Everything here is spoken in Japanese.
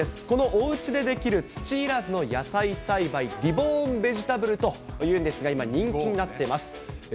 このおうちでできる土いらずの野菜栽培、リボーンベジタブルというんですが、今、人気になっています。